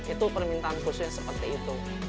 itu permintaan khususnya seperti itu